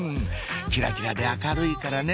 キラキラで明るいからね